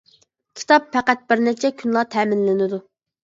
كىتاب پەقەت بىر نەچچە كۈنلا تەمىنلىنىدۇ.